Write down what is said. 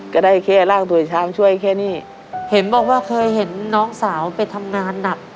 ก็ได้แค่ร่างโดยเช้าช่วยแค่นี้เห็นบอกว่าเคยเห็นน้องสาวไปทำงานหนัก